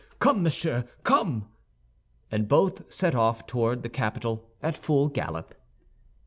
Come, monsieur, come!" and both set off towards the capital at full gallop.